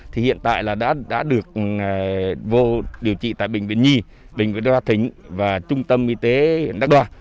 thì hiện tại là đã được vô điều trị tại bệnh viện nhi bệnh viện đoà thính và trung tâm y tế đắc đoa